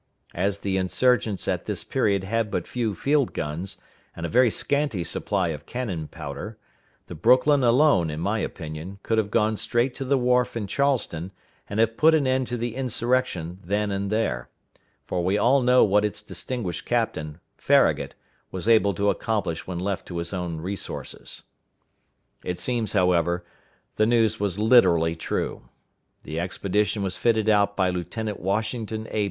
As the insurgents at this period had but few field guns, and a very scanty supply of cannon powder, the Brooklyn alone, in my opinion, could have gone straight to the wharf in Charleston, and have put an end to the insurrection then and there; for we all know what its distinguished captain, Farragut, was able to accomplish when left to his own resources. It seems, however, the news was literally true. The expedition was fitted out by Lieutenant Washington A.